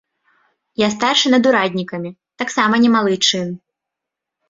Я старшы над ураднікамі, таксама не малы чын.